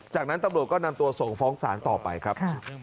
จากนั้นตำรวจก็นำตัวส่งฟ้องศาลต่อไปครับ